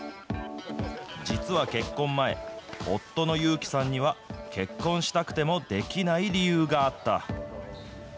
実は結婚前、夫の裕樹さんには、結婚したくてもできない理由があった。